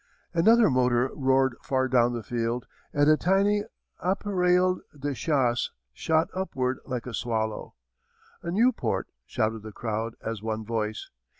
Another motor roared far down the field, and a tiny appareil de chasse shot upward like a swallow. "A Nieuport," shouted the crowd as one voice.